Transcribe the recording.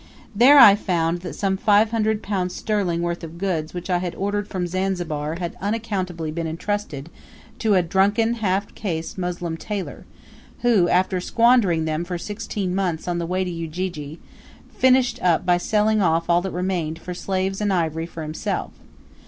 There I found that some five hundred pounds' sterling worth of goods which I had ordered from Zanzibar had unaccountably been entrusted to a drunken half caste Moslem tailor, who, after squandering them for sixteen months on the way to Ujiji; finished up by selling off all that remained for slaves and ivory for himself.